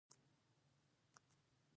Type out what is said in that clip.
د پاتې مالیاتو اخیستل پر خلکو دروند بار دی.